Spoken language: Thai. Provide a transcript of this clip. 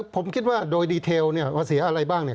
ผมคิดว่าโดยดีเทลเนี่ยภาษีอะไรบ้างเนี่ย